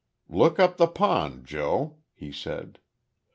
"Look up the pond, Joe," he said.